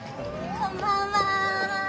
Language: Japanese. こんばんは。